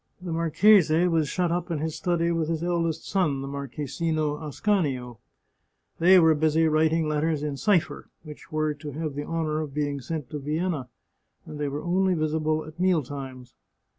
The marchese was shut up in his study with his eldest son, the Marchesino Ascanio. They were busy writing letters in cipher, which were to have the honour of being sent to Vienna, and they were only visible at mealtimes.